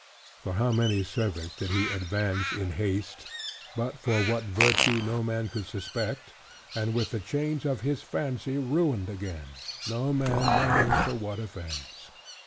For how many servants did he advance in haste (but for what virtue no man could suspect) and with the change of his fancy ruined again; no man knowing for what offence?